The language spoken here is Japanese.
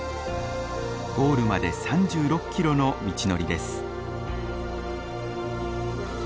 ゴールまで３６キロの道のりです。